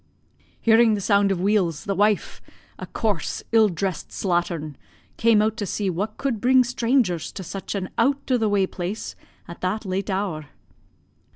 "Hearing the sound of wheels, the wife, a coarse ill dressed slattern, came out to see what could bring strangers to such an out o' the way place at that late hour.